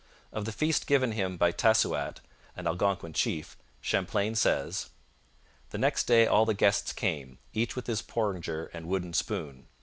Of the feast given him by Tessouat, an Algonquin chief, Champlain says: The next day all the guests came, each with his porringer and wooden spoon.